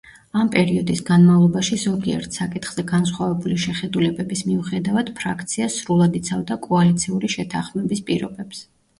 ამ პერიოდის განმავლობაში ზოგიერთ საკითხზე განსხვავებული შეხედულებების მიუხედავად, ფრაქცია სრულად იცავდა კოალიციური შეთანხმების პირობებს.